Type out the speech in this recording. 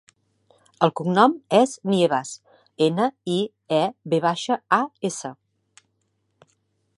El cognom és Nievas: ena, i, e, ve baixa, a, essa.